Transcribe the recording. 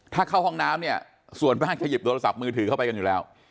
ถ้าเข้าห้องน้ำเนี่ยส่วนมากจะหยิบโทรศัพท์มือถือเข้าไปกันอยู่แล้ว